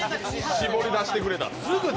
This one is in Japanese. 絞り出してくれた。